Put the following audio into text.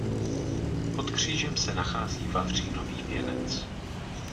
Pod křížem se nachází vavřínový věnec.